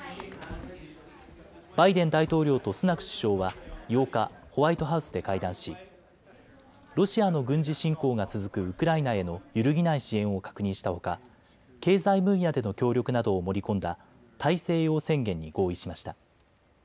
バイデン大統領とスナク首相は８日、ホワイトハウスで会談しロシアの軍事侵攻が続くウクライナへの揺るぎない支援を確認したほか経済分野での協力などを盛り込んだ大西洋宣言に合意しました。